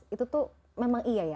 itu tuh memang iya ya